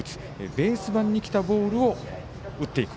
ベース板にきたボールを打っていく。